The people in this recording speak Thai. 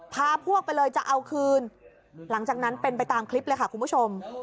พาพวกไปเลยจะเอาคืนหลังจากนั้นเป็นไปตามคลิปเลยค่ะคุณผู้ชม